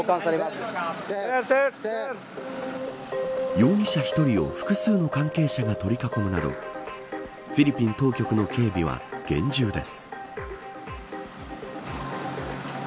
容疑者１人を複数の関係者が取り囲むなどフィリピン当局の警備は厳重です。